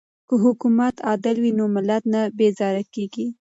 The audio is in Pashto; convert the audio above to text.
که حکومت عادل وي نو ملت نه بیزاره کیږي.